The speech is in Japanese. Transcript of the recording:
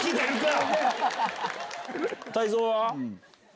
泰造は？